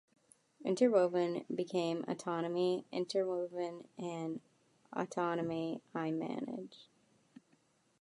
Interwoven became Autonomy Interwoven and Autonomy iManage.